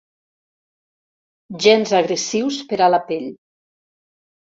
Gens agressius per a la pell.